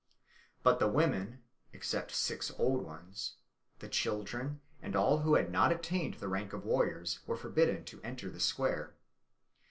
But the women (except six old ones), the children, and all who had not attained the rank of warriors were forbidden to enter the square.